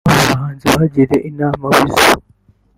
Aba bahanzi bagiriye inama Weasel